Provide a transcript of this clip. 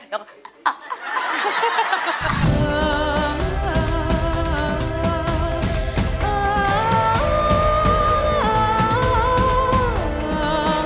แล้วก็